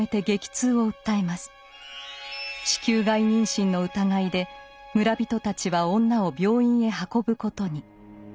子宮外妊娠の疑いで村人たちは女を病院へ運ぶことに。